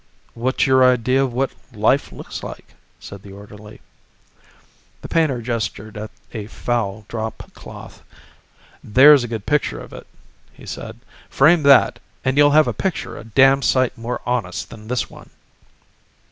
"What's your idea of what life looks like?" said the orderly. The painter gestured at a foul dropcloth. "There's a good picture of it," he said. "Frame that, and you'll have a picture a damn sight more honest than this one."